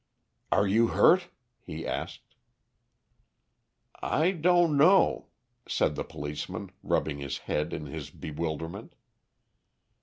"Are you hurt?" he asked. "I don't know," said the policeman, rubbing his head in his bewilderment.